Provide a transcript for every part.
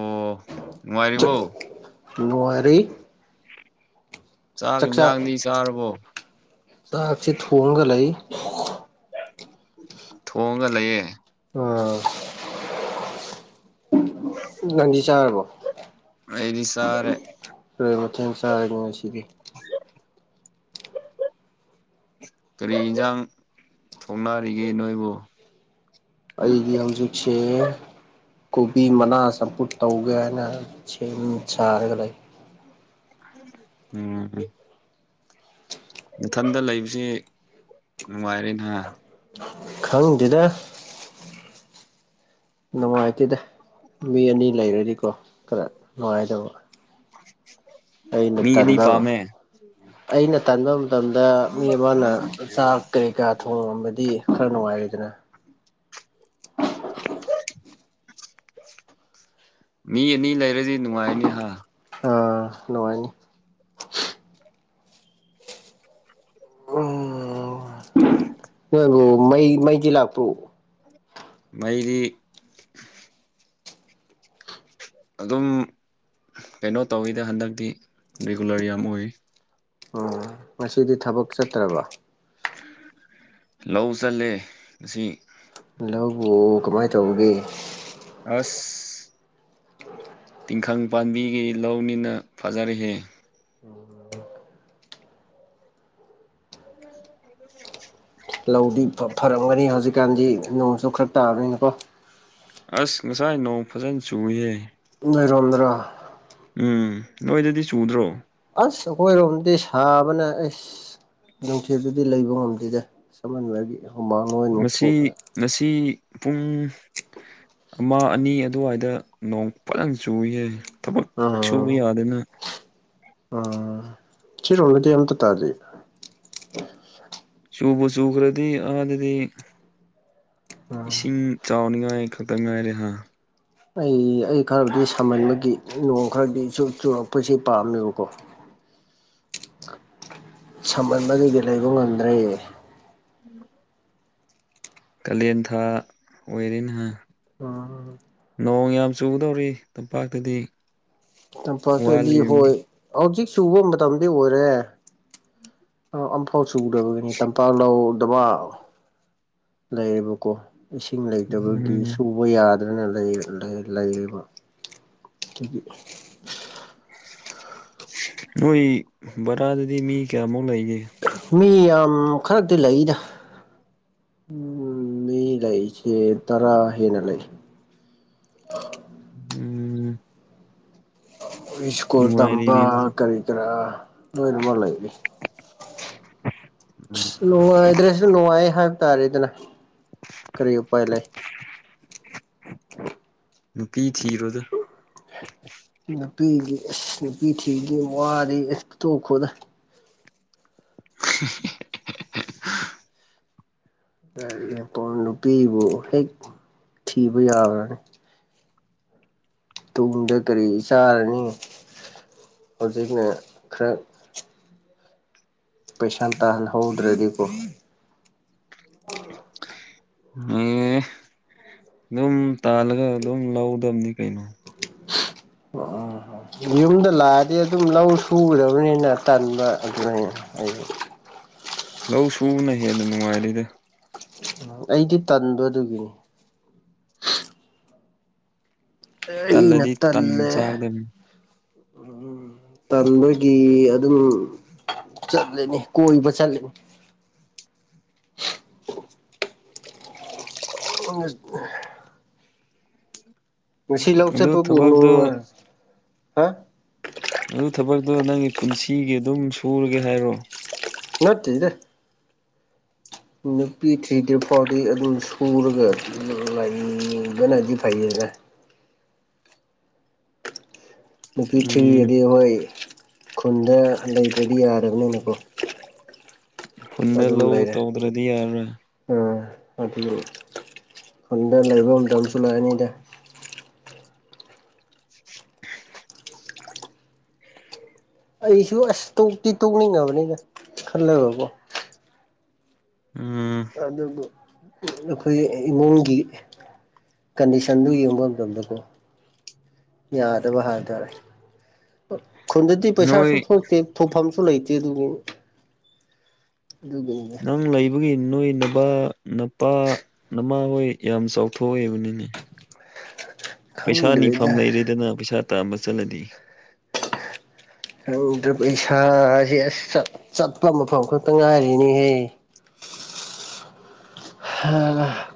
ꯑꯣ ꯅꯨꯡꯉꯥꯏꯔꯤꯕꯣ ꯅꯨꯡꯉꯥꯏꯔꯤ ꯆꯥꯛ ꯆꯥꯛꯆꯥꯛ ꯌꯦꯟꯁꯥꯡꯗꯤ ꯆꯥꯔꯕꯣ ꯆꯥꯛꯁꯦ ꯊꯣꯡꯉꯒ ꯂꯩ ꯊꯣꯡꯉ ꯂꯩꯌꯦ ꯑ ꯅꯪꯗꯤ ꯆꯥꯔꯕꯣ ꯑꯩꯗꯤ ꯆꯥꯔꯦ ꯀꯔꯤ ꯃꯊꯦꯜ ꯆꯥꯔꯒꯦ ꯉꯁꯤꯗꯤ [inaudible] ꯀꯔꯤ ꯏꯟꯖꯥꯡ ꯊꯣꯡꯅꯔꯤꯒꯦ ꯅꯣꯏꯕꫭ ꯑꯩꯗꯤ ꯍꯧꯖꯤꯛꯁꯦ ꯀꯣꯕꯤ ꯃꯅꯥ ꯆꯝꯐꯨꯠ ꯇꯧꯒꯦ ꯍꯥꯏꯅ ꯁꯦꯝ ꯁꯥꯔꯒ ꯂꯩ ꯎꯝ ꯅꯊꯟꯗ ꯂꯩꯕꯁ‌ꯦ ꯅꯨꯡꯉꯥꯏꯔꯦ ꯅ‌ꯦ ꯍꯥ ꯈꯪꯗꯦꯗ ꯅꯨꯡꯉꯥꯏꯇꯦꯗ ꯃꯤ ꯑꯅꯤ ꯂꯩꯔꯗꯤꯀꯣ ꯈꯔ ꯅꯨꯡꯉꯥꯏꯗꫭꯕ ꯃꯤ ꯑꯅꯤ ꯇꯟꯕ ꯄꯥꯝꯃꯦ ꯑꯩꯅ ꯇꯟꯕ ꯃꯇꯝꯗ ꯃꯤ ꯑꯃꯅ ꯆꯥꯛ ꯀꯔꯤ ꯀꯥ ꯊꯣꯡꯉꯝꯃꯗꯤ ꯈꯔ ꯅꯨꯡꯉꯥꯏꯔ‌ꯦꯗꯅ [unintelligible] ꯃꯤ ꯑꯅꯤ ꯂꯩꯔꯗꯤ ꯅꯨꯡꯉꯥꯏꯅꯤ ꯍꯥ ꯑꯁ ꯅꯨꯡꯉꯥꯏꯅꯤ ꯎꯝ [unintelligible] ꯅꯣꯏꯕꯨ ꯃꯩ ꯃꯩꯗꯤ ꯂꯥꯛꯄ꯭ꯔꫭ ꯃꯩꯗꯤ ꯑꯗꯨꯝ ꯀꯩꯅꯣ ꯇꯧꯋꯤꯗ ꯍꯟꯗꯛꯇꯤ ꯔꯤꯒꯨꯂꯔ ꯌꯥꯝ ꯑꯣꯏꯔꯤ ꯑꯣ ꯉꯁꯤꯗꯤ ꯊꯕꯛ ꯆꯠꯇ꯭ꯔꯕ ꯂꯧ ꯆꯜꯂꯦ ꯉꯁꯤ ꯂꯧꯕꯨ ꯀꯃꯥꯏꯟ ꯇꯧꯕꯒꯦ ꯑꯁ ꯇꯤꯡꯈꯪ ꯄꯥꯝꯕꯤꯒꯤ ꯂꯧꯅꯤꯅ ꯐꯖꯔ‌ꯦꯍꯦ ꯎꯝ [unintelligible] ꯂꯧꯗꯤ ꯐ-ꯐꯔꯝꯒꯅꯤ ꯍꯧꯖꯤꯛꯀꯥꯟꯗꯤ ꯅꯣꯡꯁꯨ ꯈꯔ ꯇꯥꯕꯅꯤꯅꯀꯣ ꯑꯁ ꯉꯁꯥꯏ ꯅꯣꯡ ꯐꯖꯟ ꯆꯨꯏꯌꯦ ꯅꯣꯏꯔꫭꯝꯗꯔꫭ ꯎꯝ ꯅꯣꯏꯗꯗꯤ ꯆꯨꯗ꯭ꯔꯣ ꯑꯁ ꯑꯈꯣꯏꯔꯣꯝꯗꯤ ꯁꯥꯕꯅ ꯑꯁ ꯅꯨꯡꯊꯤꯗꯗꯤ ꯂꯩꯕ ꯉꯝꯗꯦꯗ ꯁꯃꯜꯂꯗꯤ ꯉꯁꯤ ꯉꯁꯤ ꯄꯨꯡ ꯑꯃ ꯑꯅꯤ ꯑꯗꯨꯋꯥꯏꯗ ꯅꯣꯡ ꯐꯖꯟ ꯆꯨꯏꯍ‌ꯦ ꯑꯥ ꯇꯨꯕ ꯌꯥꯗꯅ ꯎꯝ ꯁꯤꯔꯣꯝꯗꯗꯤ ꯑꯝꯇ ꯇꯥꯗ‌ꯦ ꯆꯨꯕꯨ ꯆꯨꯈ꯭ꯔꯗꯤ ꯑꯥꯗꯗꯤ ꯎꯝ ꯏꯁꯤꯡ ꯆꯥꯎꯅꯤꯉꯥꯏ ꯈꯛꯇ ꯉꯥꯏꯔꯦ ꯍꯥꯥ ꯑꯩ ꯑꯩ ꯈꯔꯗꯤ ꯁꯥꯃꯟꯕꯒꯤ ꯅꯣꯡ ꯈꯔꯗꯤ ꯆꯨ ꯆꯨꯔꯛꯄꯁꯤ ꯄꯥꯝꯃꯦꯕꯀꯣ ꯁꯥꯃꯟꯕꯖꯤꯗ ꯂꯩꯕ ꯉꯝꯗ꯭ꯔꯦ ꯎꯝ ꯀꯂꯦꯟ ꯊꯥ ꯑꯣꯏꯔ‌ꯦꯅ‌ꯦ ꯍꯥ ꯑꯣ ꯅꯣꯡ ꯌꯥꯝ ꯆꯨꯒꯗꯧꯔꯤ ꯇꯝꯄꯥꯛꯇꯗꯤ ꯇꯝꯄꯥꯛꯇꯗꯤ ꯍꯣꯏ ꯋꯥꯠꯂꯤꯕꯅꯤ ꯍꯧꯖꯤꯛ ꯆꯨꯕ ꯃꯇꯝꯗꯤ ꯑꯣꯏꯔꯦ [unintelligible] ꯑꯧ ꯑꯝꯐꯥꯎ ꯆꯨꯗꯕꯒꯤꯅꯤ ꯇꯝꯄꯥꯛ ꯂꯧ ꯎꯗꯕ ꯂꯩꯌꯦꯕꯀꯣ ꯏꯁꯤꯡ ꯎꯝ ꯂꯩꯇꯕꯒꯤꯁꯨ ꯕ ꯌꯥꯗꯗꯅ ꯂꯩꯌꯦ ꯂꯩ ꯂꯩꯔꯤꯕ ꯑꯗꯨꯒꯤ ꯅꯣꯏ ꯕꯔꯥꯗꯗꯤ ꯃꯤ ꯀꯌꯥꯃꯨꯛ ꯂꯩꯒꯦ ꯃꯤ ꯌꯥꯝ ꯈꯔꯛꯗꯤ ꯂꯩꯗ ꯎꯝ ꯃꯤ ꯂꯩꯇꯦ ꯇꯔꯥ ꯍꯦꯟꯅ ꯂꯩ [unintelligible] ꯎꯝ ꯈꯣꯏ ꯁ꯭ꯀꯨꯜ ꯇꯝꯕ ꯅꯨꯡꯉꯥꯏꯔꯤꯅꯦ ꯑꯗꯨꯗꯤ ꯀꯔꯤ ꯀꯔꯥ ꯅꯣꯏꯗ ꯑꯃ ꯂꯩꯔꯤ ꯑꯁ ꯅꯨꯡꯉꯥꯏꯗ꯭ꯔꯦ ꯑꯗꯨꯝ ꯅꯨꯡꯉꯥꯏ ꯍꯥꯏꯕ ꯇꯥꯔꯦꯗꯅ ꯀꯔꯤ ꯎꯄꯥꯏ ꯂꯩ ꯅꯨꯄꯤ ꯊꯤꯔꯣꯗ ꯅꯨꯄꯤꯒꯤ ꯑꯁ ꯅꯨꯄꯤ ꯊꯤꯒꯤꯝ ꯋꯥꯗꯤ ꯇꯣꯛꯈꯣꯗ [unintelligible] [unintelligible] ꯅꯨꯄꯤꯕꯨ ꯍꯦꯛ ꯊꯤꯕ ꯌꯥꯕ꯭ꯔꯅꯦ ꯇꯨꯡꯗ ꯀꯔꯤ ꯆꯥꯔꯅꯤ ꯍꯧꯖꯤꯛꯅ ꯈꯔ ꯄꯩꯁꯥ ꯇꯥꯜꯍꯧꯗ꯭ꯔꯗꯤꯀꯣ [unintelligible] ꯑꯗꯨꯝ ꯇꯥꯜꯂꯒ ꯑꯗꯨꯝ ꯂꯧꯒꯗꯕꯅꯤ ꯀꯩꯅꯣ ꯑꯣ ꯑꯥ ꯌꯨꯝꯗ ꯂꯥꯛꯑꯗꯤ ꯑꯗꯨꯝ ꯂꯧ ꯁꯨꯒꯗꯕꯅꯤꯅ ꯇꯟꯕ ꯑꯗꯨꯃꯥꯏꯅ ꯑꯩ ꯂꯧ ꯁꯨꯕꯅ ꯍꯦꯟꯅ ꯅꯨꯡꯉꯥꯏꯔꯤꯗ ꯎꯝ ꯑꯩꯗꯤ ꯇꯟꯕ ꯑꯗꯨꯒꯤꯅꯤ ꯑꯩꯅ ꯇꯜꯂꯗꯤ ꯇꯟ ꯇꯜꯂꯦ ꯆꯥꯒꯗꯕꯅꯤ ꯇꯜꯕꯒꯤ ꯑꯗꯨꯝ ꯆꯠꯂꯤꯅꯤ ꯀꯣꯏꯕ ꯆꯠꯂꯤꯅꯤ [unintelligible] ꯉꯁꯤ ꯂꯧ ꯑꯗꯨ ꯆꯠꯄꯕꯨ ꯊꯕꯛꯇꯣ ꯅꯨꯡꯉꯥ ꯑꯗꯨ ꯊꯕꯛꯇꯣ ꯅꯪꯒꯤ ꯄꯨꯟꯁꯤꯒꯤ ꯑꯗꯨꯝ ꯁꯨꯔꯒꯦ ꯍꯥꯏꯔꯣ ꯅꯠꯇꯦꯗ ꯅꯨꯄꯤ ꯊ꯭ꯔꯤꯗ꯭ꯔꯤ ꯐꯥꯎꯗꯤ ꯑꯗꯨꯝ ꯁꯨꯔꯒ ꯂꯩꯕꯅꯗꯤ ꯐꯩꯌꯦꯅ ꯅꯨꯄꯤ ꯎꯝ ꯊꯤꯔꯗꯤ ꯍꯣꯏ ꯈꯨꯟꯗ ꯂꯩꯇ꯭ꯔꯗꯤ ꯌꯥꯗꯕꯅꯤꯅꯀꯣ ꯈꯨꯟꯗ ꯂꯧ ꯇꯧꯗ꯭ꯔꯗꯤ ꯌꯥꯔ꯫ ꯑꯥ ꯑꯗꯨ ꯈꯨꯟꯗ ꯂꯩꯕ ꯃꯇꯝꯁꯨ ꯂꯥꯛꯑꯅꯤꯗ꯫ [unintelligible] ꯑꯩꯁꯨ ꯑꯁ ꯇꯣꯛꯇꯤ ꯇꯣꯛꯅꯤꯡꯉꯕꯅꯤꯅ ꯈꯜꯂꯒꯀꯣ꯫ ꯑ ꯑꯗꯨꯕꯨ ꯑꯈꯣꯏꯒꯤ ꯏꯃꯨꯡꯒꯤ ꯀꯟꯗꯤꯁꯟꯗꯨ ꯌꯦꯡꯕ ꯃꯇꯝꯗꯀꯣ꯫ ꯌꯥꯗꯕ ꯍꯥꯏꯇꯥꯔꯦ꯫ ꯈꯨꯟꯗꯗꯤ ꯅꯣꯏ ꯄꯩꯁꯥꯁꯨ ꯊꯣꯛꯇꯦ ꯊꯣꯛꯐꯝꯁꯨ ꯂꯩꯇꯦ ꯑꯗꯨꯒꯤ꯫ ꯑꯗꯨꯒꯤꯅꯤ꯫ ꯅꯪ ꯂꯩ ꯕꯒꯤ ꯅꯣꯏ ꯅꯕꯥ ꯅꯄꯥ ꯅꯃꯥꯍꯣꯏ ꯌꯥꯝ ꯆꯥꯎꯊꯣꯛꯏꯕꯅꯤꯅꯦ꯫ ꯄꯩꯁꯥ ꯅꯤꯐꯝ ꯈꯪꯗ꯭ꯔꯦꯗ ꯂꯩꯔꯦꯗꯅ ꯄꯩꯁꯥ ꯇꯥꯝꯕ ꯆꯠꯂꯗꯤ꯫ ꯈꯪꯗ꯭ꯔ ꯄꯩꯁꯥꯁꯦ ꯑꯁ ꯆꯠ ꯆꯠꯄ ꯃꯐꯝ ꯈꯛꯇ ꯉꯥꯏꯔꯤꯅꯤꯍꯦ꯫ ꯍꯥ꯫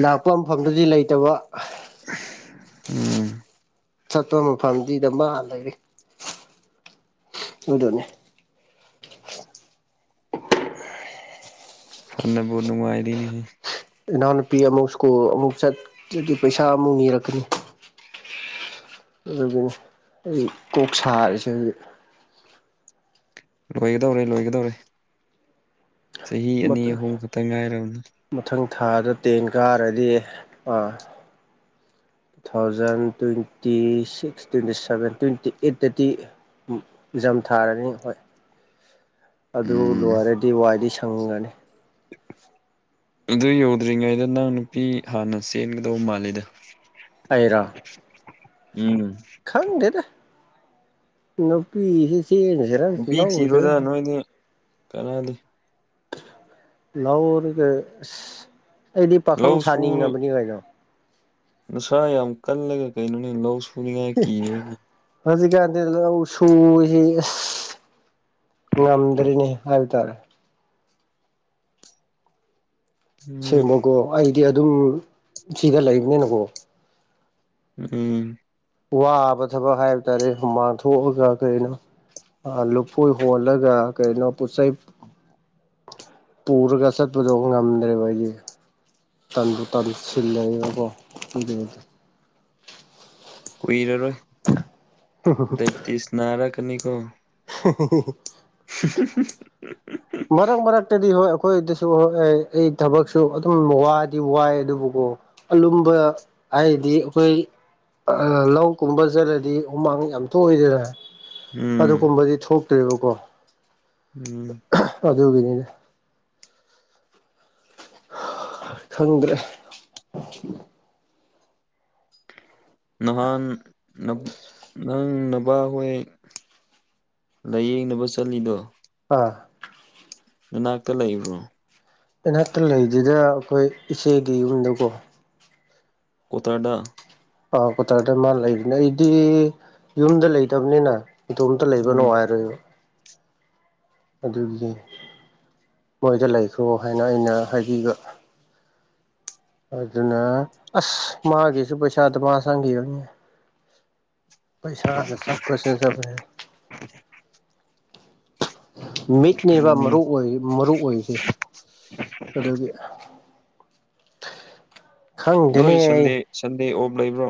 ꯅꯥꯛꯄ ꯃꯐꯝꯗꯗꯤ ꯂꯩꯇꯕ꯫ [unintelligible] ꯆꯠꯄ ꯃꯐꯝꯗꯤ ꯗꯃꯥ ꯂꯩꯔꯤ꯫ ꯑꯗꯨꯅꯦ꯫ ꯐꯟꯅꯕꯨ ꯅꯨꯡꯉꯥꯏꯔꯤꯅꯤ ꯍꯦ꯫ ꯏꯅꯥꯎꯅꯨꯄꯤ ꯑꯃꯨꯛ ꯁ꯭ꯀꯨꯜ ꯑꯃꯨꯛ ꯆꯠꯗꯤ ꯄꯩꯁꯥ ꯑꯃꯨꯛ ꯅꯤꯔꯛꯀꯅꯤ꯫ ꯑꯗꯨꯒꯤꯅꯤ ꯑꯩ ꯀꯣꯛ ꯁꯥꯔꯤꯁꯦ [inaudible] ꯂꯣꯏꯒꯗꯧꯔꯦ ꯂꯣꯏꯒꯗꯧꯔꯦ ꯆꯍꯤ ꯑꯅꯤ ꯑꯍꯨꯝ ꯈꯛꯇꯪ ꯉꯥꯏꯔꯕꯅꯤ꯫ ꯃꯊꯪ ꯊꯥꯗ ꯇꯦꯟ ꯀꯥꯔꯗꯤ ꯑꯥ꯫ Thousand twenty six twenty seven twenty eight ꯗꯇꯤ ꯖꯝ ꯊꯥꯔꯅꯤ ꯍꯣꯏ ꯑꯗꯨ ꯎꯝ ꯂꯣꯏꯔꯗꯤ ꯋꯥꯏꯗꯤ ꯁꯪꯉꯅꯤ꯫ [unintelligible] ꯑꯗꯨ ꯌꯧꯗ꯭ꯔꯤꯉꯩꯗ ꯅꯪ ꯅꯨꯄꯤ ꯍꯥꯟꯅ ꯆꯦꯟꯒꯗꯧꯕ ꯃꯥꯜꯂꯤꯗ꯫ ꯑꯩꯔꯣ [unintelligible] ꯈꯪꯗꯦꯗ ꯅꯨꯄꯤꯁꯤ ꯆꯦꯟ ꯅꯨꯄꯤ ꯊꯤꯔꯣꯗ ꯅꯣꯏꯗꯤ ꯀꯅꯥꯗꯦ꯫ ꯂꯧꯔꯒ ꯑꯁ ꯑꯩꯗꯤ ꯄꯥꯈꯪ ꯂꯧ ꯁꯨ ꯁꯥꯅꯤꯡꯉꯕꯅꯤ ꯀꯩꯅꯣ꯫ ꯅꯁꯥ ꯌꯥꯝ ꯀꯜꯂꯒ ꯀꯩꯅꯣꯅꯤ ꯂꯧ ꯁꯨꯅꯤꯡꯉꯥꯏ ꯀꯤꯕ꯭ꯔꫭꯅꯦ꯫ ꯍꯧꯖꯤꯛꯀꯥꯟꯗꯤ ꯂꯧ ꯁꯨꯕꯥꯁꯤ ꯑꯁ ꯉꯝꯗ꯭ꯔꯦꯅꯦ꯫ ꯍꯥꯏꯕꯇꯥꯔꯦ꯫ ꯎꯝ ꯁꯦꯡꯕꯀꯣ ꯑꯩꯗꯤ ꯑꯗꯨꯝ ꯁꯤꯗ ꯂꯩꯕꯅꯤꯅꯀꯣ꯫ ꯎꯝ ꯋꯥꯕ ꯊꯕꯛ ꯍꯥꯏꯕ ꯇꯥꯔꯦ ꯍꯨꯃꯥꯡꯊꯣꯛꯑꯒ ꯀꯩꯅꯣ꯫ ꯑꯥ ꯂꯨꯐꯣꯏ ꯍꯣꯜꯂꯒ ꯀꯩꯅꯣ ꯄꯨꯠꯆꯩ ꯄꯨꯔꯒ ꯆꯠꯄꯗꯣ ꯉꯝꯗ꯭ꯔꯦꯕ ꯑꯩꯗꯤ꯫ ꯇꯟꯕꯨ ꯇꯥꯟꯁꯤꯜꯂꯛꯀꯣ [inaudible] ꯀꯨꯏꯔꯔꯣꯏ ꯗꯥꯏꯄꯇꯤꯁ ꯅꯥꯔꯛꯀꯅꯤꯀꯣ꯫ [unintelligible] [unintelligible] ꯃꯔꯛ ꯃꯔꯛꯇꯗꯤ ꯍꯣꯏ ꯑꯈꯣꯏꯗꯁꯨ ꯍꯣꯏ ꯑꯩ ꯊꯕꯛꯁꯨ ꯑꯗꯨꯝ ꯋꯥꯗꯤ ꯋꯥꯏ ꯑꯗꯨꯕꯨꯀꯣ꯫ ꯑꯥꯂꯨꯝꯕ ꯍꯥꯏꯗꯤ ꯑꯩꯈꯣꯏ ꯑꯥ ꯂꯧ ꯀꯨꯝꯕ ꯆꯠꯂꯗꯤ ꯍꯨꯃꯥꯡ ꯌꯥꯝ ꯊꯣꯛꯏꯗꯅꯥ ꯎꯝ ꯑꯗꯨꯀꯨꯝꯕꯗꯤ ꯊꯣꯛꯇ꯭ꯔꯦꯕꯀꯣ ꯎꯝ ꯑꯗꯨꯒꯤꯅꯤꯗ ꯈꯪꯗ꯭ꯔꯦ ꯅꯍꯥꯟ ꯅꯕꯨ ꯅꯪ ꯅꯕꯥ ꯍꯣꯏ ꯂꯌꯦꯡꯅꯕ ꯆꯠꯂꯤꯗꯣ ꯑꯥ ꯅꯅꯥꯛꯇ ꯂꯩꯕ꯭ꯔꯣ ꯏꯅꯥꯛꯇ ꯂꯩꯕꯗꯨꯗ ꯑꯩꯈꯣꯏ ꯏꯆꯦꯗꯤ ꯔꯨꯝꯂꯧꯀꯣ ꯀꯣꯇꯔꯗꯥ ꯑꯥ ꯀ꯭ꯋꯥꯇꯥꯔꯗ ꯃꯥ ꯂꯩꯕꯅꯦ ꯑꯩꯗꯤ ꯌꯨꯝꯗ ꯂꯩꯇꯕꯅꯤꯅ ꯏꯇꯣꯝꯇ ꯂꯩꯕ ꯎꯝ ꯅꯨꯡꯉꯥꯏꯔꯣꯏꯕ ꯑꯗꯨꯒꯤ ꯃꯣꯏꯗ ꯂꯩꯈ꯭ꯔꯣ ꯍꯥꯏꯅ ꯑꯩꯅ ꯍꯥꯏꯕꯤꯕ ꯑꯗꯨꯅ ꯑꯁ ꯃꯥꯒꯤꯁꯨ ꯄꯩꯁꯥ ꯗꯃꯥ ꯆꯪꯈꯤꯒꯅꯤ ꯄꯩꯁꯥꯅ ꯆꯠꯄ ꯆꯠꯄꯁꯤꯅꯥ [inaudible] ꯃꯤꯠꯅꯦꯕ ꯎꯝ ꯃꯔꯨ ꯑꯣꯏ ꯃꯔꯨ ꯑꯣꯏꯁꯦ ꯑꯗꯨꯒꯤ ꯅꯣꯏ ꯈꯪꯗꯦꯅꯦ ꯑꯩ ꯁꯟꯗꯦ ꯁꯟꯗꯦ ꯑꯣꯞ ꯂꯩꯕ꯭ꯔꯣ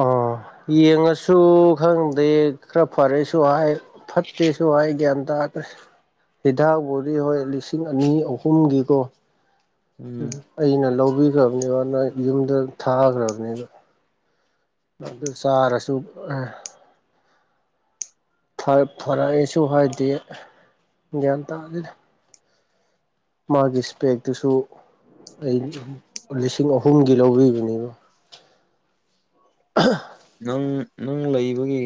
ꯑꯣ ꯌꯦꯡꯉꯁꯨ ꯈꯪꯗꯦ ꯈꯔ ꯐꯔꯦꯁꯨ ꯍꯥꯏ ꯐꯠꯇꯦꯁꯨ ꯍꯥꯏ ꯒ꯭ꯌꯟ ꯇꯥꯗꯦ ꯍꯤꯗꯥꯛꯄꯨꯗꯤ ꯍꯣꯏ ꯂꯤꯁꯤꯡ ꯑꯅꯤ ꯑꯍꯨꯝꯒꯤꯀꯣ ꯎꯝ ꯑꯩꯅ ꯂꯧꯕꯤꯈ꯭ꯔꯕꯅꯦꯕ ꯅꯣꯏ ꯌꯨꯝꯗ ꯊꯥꯒ꯭ꯔꯕꯅꯦꯕ ꯑꯗꯨ ꯆꯥꯔꯁꯨ ꯑꯥ ꯐꯥꯔꯦ ꯐꯔꯛꯏꯁꯨ ꯍꯥꯏꯗꯦ ꯒ꯭ꯌꯥꯟ ꯇꯥꯗꯦꯗꯥ ꯃꯥꯒꯤ ꯏꯁꯄꯦꯛꯇꯨꯁꯨ ꯑꯩ ꯂꯤꯁꯤꯡ ꯑꯍꯨꯝꯒꯤ ꯂꯧꯕꯤꯕꯅꯦꯕꯥ ꯑꯍ ꯅꯪ ꯅꯪ ꯂꯩꯕꯒꯤ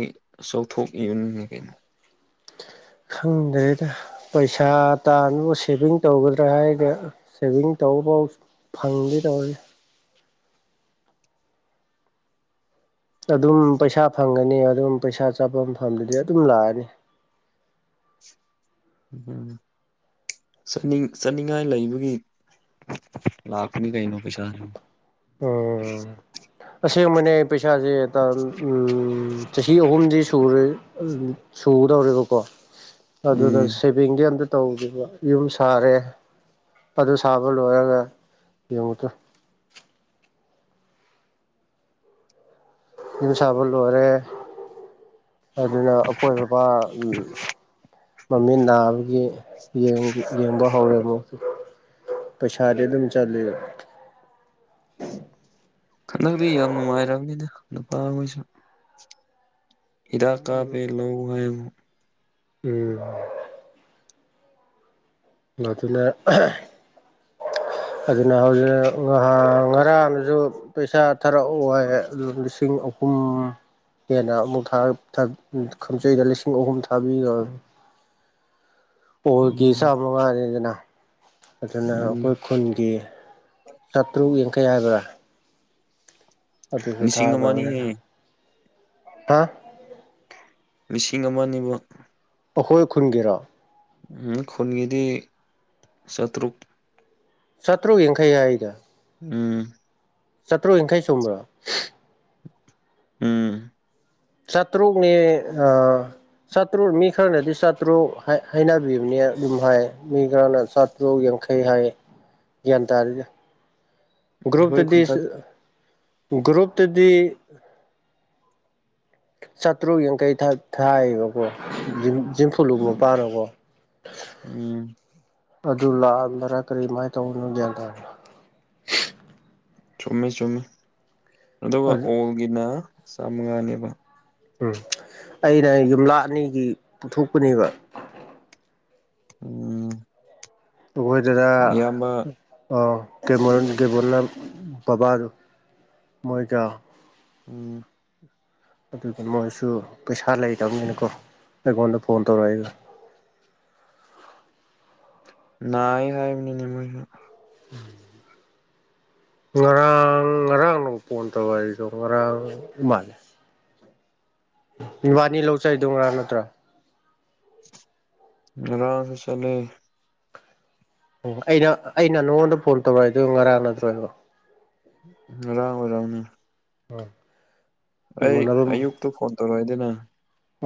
ꯆꯥꯎꯊꯣꯛ ꯏꯅꯤꯅꯦ ꯀꯩꯅꯣ ꯈꯪꯗꯦꯗ ꯄꯩꯁꯥ ꯇꯥꯟꯕꯨ ꯁꯦꯚꯤꯡ ꯇꯧꯒꯗ꯭ꯔꯥ ꯍꯥꯏꯔꯒ ꯁꯦꯚꯤꯡ ꯇꯧꯕꯕꯥꯎ ꯐꯪꯗꯦ ꯇꯧꯋꯦ ꯑꯗꯨꯝ ꯄꯩꯁꯥ ꯐꯪꯒꯅꯤ ꯑꯗꯨꯝ ꯄꯩꯁꯥ ꯆꯠꯄ ꯃꯐꯝꯗꯨꯗꯤ ꯑꯗꯨꯝ ꯂꯥꯛꯑꯅꯤ ꯎꯝ ꯆꯠꯅꯤꯡ ꯆꯠꯅꯤꯡꯉꯥꯏ ꯂꯩꯕꯒꯤ ꯂꯥꯛꯄꯅꯤ ꯀꯥꯏꯅꯣ ꯄꯩꯁꯥ ꯎꯝ ꯑꯁꯦꯡꯕꯅꯦ ꯄꯩꯁꯥꯁꯦ ꯇꯥꯟ ꯎꯝ ꯆꯍꯤ ꯑꯍꯨꯝꯗꯤ ꯁꯨꯔꯦ ꯑꯗꯨꯗꯨ ꯁꯨꯒꯗꯧꯔꯦꯕꯀꯣ ꯑꯗꯨꯗ ꯎꯝ ꯁꯤꯞ ꯕꯦꯡꯒꯤ ꯑꯝꯇ ꯇꯧꯗꯦꯕ ꯌꯨꯝ ꯁꯥꯔꯦ ꯑꯗꯨ ꯁꯥꯕ ꯂꯣꯏꯔꯒ ꯌꯦꯡꯉꯨꯇꯨ ꯌꯨꯝ ꯁꯥꯕ ꯂꯣꯏꯔꯦ ꯑꯗꯨꯅ ꯑꯈꯣꯏ ꯕꯕꯥ ꯎꯝ ꯃꯃꯤ ꯅꯥꯕꯒꯤ ꯌꯦꯡ ꯌꯦꯡꯕ ꯍꯧꯔꯦ ꯑꯃꯨꯛꯁꯨ ꯄꯩꯁꯥꯗꯤ ꯑꯗꯨꯝ ꯆꯠꯂꯤ ꯈꯟꯗꯛꯇꯤ ꯌꯥꯝ ꯅꯨꯡꯉꯥꯏꯔꯕꯅꯤꯗ ꯅꯨꯄꯥ ꯍꯣꯏꯁꯨ ꯍꯤꯗꯥꯛ ꯀꯞꯄꯦ ꯂꯧ ꯉꯥꯏ ꯑꯃꯨꯛ ꯎꯝ ꯃꯗꯨꯅꯥ ꯑꯗꯨꯅ ꯍꯧꯖꯤꯛ ꯉꯍꯥꯡ ꯉꯔꯥꯡꯗꯥꯖꯨ ꯄꯩꯁꯥ ꯊꯥꯔꯛꯑꯣ ꯍꯥꯏꯌꯦ ꯑꯗꯨ ꯂꯤꯁꯤꯡ ꯑꯍꯨꯝ ꯍꯦꯟꯅ ꯑꯃꯨꯛ ꯊꯥꯔꯛ ꯊꯥ ꯈꯣꯡꯆꯩꯗ ꯂꯤꯁꯤꯡ ꯑꯍꯨꯝ ꯊꯥꯕꯤꯒ꯭ꯔꯝꯅꯤ [inaudible] ꯄꯣꯜꯒꯤ ꯆꯥꯃ ꯉꯥꯏꯔꯦꯗꯅ ꯑꯗꯨꯅ ꯎꯝ ꯑꯩꯈꯣꯏ ꯈꯨꯟꯒꯤ ꯆꯥꯇ꯭ꯔꯨꯛ ꯌꯥꯡꯈꯩ ꯍꯥꯏꯕ꯭ꯔꯥ ꯑꯗꯨꯁꯨ ꯂꯤꯁꯤꯡ ꯑꯃꯅꯤ ꯍꯦ ꯊꯥꯈ꯭ꯔꯕꯅꯤꯅ ꯍꯥ ꯂꯤꯁꯤꯡ ꯑꯃ ꯅꯤꯕ ꯑꯩꯈꯣꯏ ꯈꯨꯟꯒꯤꯔꯣ ꯑꯝ ꯈꯨꯟꯒꯤꯗꯤ ꯆꯥꯇ꯭ꯔꯨꯛ ꯆꯥꯇ꯭ꯔꯨꯛ ꯌꯥꯡꯈꯩ ꯍꯥꯏꯌꯦꯗ ꯎꯝ ꯆꯥꯇ꯭ꯔꯨꯛ ꯌꯥꯡꯈꯩ ꯆꯨꯝꯕ꯭ꯔꯥ ꯎꯝ ꯆꯥꯇ꯭ꯔꯨꯛꯅꯦ ꯑꯥ ꯆꯥꯇ꯭ꯔꯨꯛ ꯃꯤ ꯈꯔꯅꯗꯤ ꯆꯥꯇ꯭ꯔꯨꯛ ꯍꯥꯏꯅꯕꯤꯕꯅꯦ ꯑꯗꯨꯝ ꯍꯥꯏ ꯃꯤ ꯈꯔꯅ ꯆꯥ ꯇ꯭ꯔꯨꯛ ꯌꯥꯡꯈꯩ ꯍꯥꯏꯌꯦ ꯒ꯭ꯌꯥꯟ ꯇꯥꯗꯦꯗ ꯑꯩꯈꯣꯏ ꯒ꯭ꯔꯨꯞꯇꯗꯤ ꯁꯤ ꯈꯨꯟꯊꯛ ꯒ꯭ꯔꯨꯞꯇꯗꯤ ꯆꯥꯇ꯭ꯔꯨꯛ ꯌꯥꯡꯈꯩ ꯊꯥꯏ ꯊꯥꯏꯌꯦꯕꯀꯣ ꯖꯤꯝꯐꯨꯂꯨꯞ ꯃꯥꯄꯥꯅꯀꯣ ꯎꯝ ꯑꯗꯨ ꯂꯥꯟꯕꯔꯥ ꯀꯔꯤꯃꯥꯏꯅ ꯇꯧꯕꯅꯣ ꯒ꯭ꯌꯥꯟ ꯇꯥꯗꯦ ꯆꯨꯝꯃꯤ ꯆꯨꯝꯃꯤ ꯑꯗꯨꯒ ꯑꯗꯨ ꯑꯣꯜꯒꯤꯅ ꯆꯥꯝꯃꯉꯥꯅꯦꯕ ꯎꯝ ꯑꯩꯅ ꯌꯨꯝꯂꯥꯛ ꯑꯅꯤꯒꯤ ꯄꯨꯊꯣꯛꯄꯅꯦꯕ ꯎꯝ ꯑꯩꯈꯣꯏꯗꯔꯥ ꯏꯌꯥꯝꯕ ꯑꯥ ꯗꯦꯃꯣꯔꯟ ꯗꯦꯕꯣꯅꯟ ꯕꯕꯥꯗꯣ ꯃꯣꯏꯒ ꯎꯝ ꯑꯗꯨꯒꯤ ꯃꯣꯏꯁꯨ ꯄꯩꯁꯥ ꯂꯩꯗꯝꯅꯤꯅꯀꯣ ꯑꯩꯉꯣꯟꯗ ꯐꯣꯟ ꯇꯧꯔꯛꯏ ꯅꯥꯥꯏ ꯍꯥꯏꯕꯅꯤꯅꯦ ꯃꯣꯏꯁꯨ [inaudible] ꯉꯔꯥꯡ ꯉꯔꯥꯡꯅ ꯐꯣꯟ ꯇꯧ ꯍꯥꯏꯗꯣ ꯉꯔꯥꯡ ꯃꯥꯜꯂꯦ ꯏꯕꯥꯅꯤ ꯂꯧ ꯆꯠꯂꯤꯗꯣ ꯉꯔꯥꯡ ꯅꯠꯇ꯭ꯔꯥ ꯉꯔꯥꯡ ꯆꯠꯂꯦ ꯎꯝ ꯑꯩꯅ ꯑꯩꯅ ꯅꯉꯣꯟꯗ ꯐꯣꯟ ꯇꯧꯔꯛꯏꯗꯨ ꯉꯔꯥꯡ ꯅꯠꯇ꯭ꯔꯣ ꯑꯩꯕꯣ ꯉꯔꯥꯡ ꯑꯣꯢꯔꯝꯅꯤ ꯑꯥ ꯑꯩ ꯑꯌꯨꯛꯇꯨ ꯐꯣꯟ ꯇꯧꯔꯛꯏꯗꯅ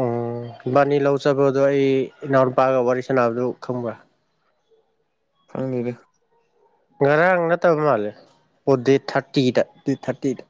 ꯎꯝ ꯏꯕꯥꯅꯤ ꯂꯧ ꯆꯠꯄꯗꯣ ꯑꯩ ꯏꯅꯥꯎ ꯅꯨꯄꯥꯒ ꯋꯥꯔꯤ ꯁꯥꯟꯅꯕꯗꯨ ꯈꯪꯕ꯭ꯔꯥ ꯈꯪꯉꯤꯅꯦ ꯉꯔꯥꯡ ꯅꯠꯇꯕ ꯃꯥꯜꯂꯦ ꯑꯣ ꯗꯦꯠ ꯊꯥꯔꯇꯤꯗ ꯗꯦꯠ ꯊꯥꯔꯇꯤꯗ